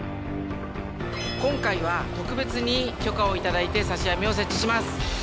今回は特別に許可を頂いて刺し網を設置します。